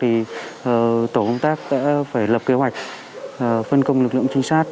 thì tổ công tác sẽ phải lập kế hoạch phân công lực lượng trinh sát